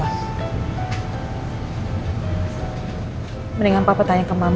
nah ini dari waktunya aku tanggalkan semua hal